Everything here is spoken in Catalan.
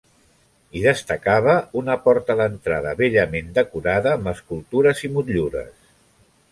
Hi destacava una porta d'entrada bellament decorada amb escultures i motllures.